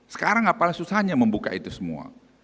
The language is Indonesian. sekarang apalah susahnya membuka itu semua